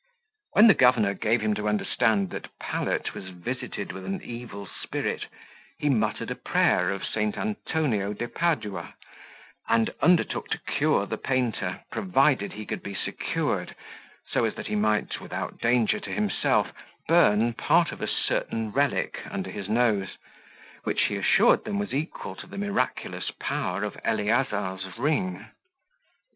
When the governor gave him to understand that Pallet was visited with an evil spirit, he muttered a prayer of St. Antonio de Padua, and undertook to cure the painter, provided he could be secured so as that he might, without danger to himself, burn part of a certain relic under his nose, which he assured them was equal to the miraculous power of Eleazar's ring.